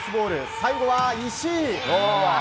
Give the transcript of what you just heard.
最後は石井。